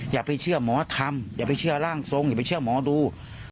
อย่าไปเชื่อหมอธรรมอย่าไปเชื่อร่างทรงอย่าไปเชื่อหมอดู